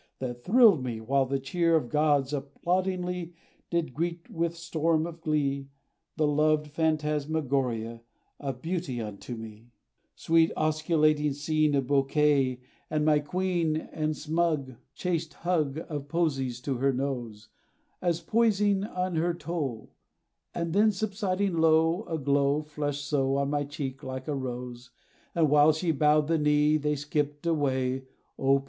That thrilled me, while the cheer Of gods applaudingly, Did greet with storm of glee, The loved phantasmagoria Of beauty unto me! [Decoration] Sweet osculating scene Of bouquet, and my queen, And smug Chaste hug, Of posies to her nose, As poising on her toe, And then subsiding low, A glow Flushed so, On my cheek, like a rose, The while she bowed the knee, Then skipped away O.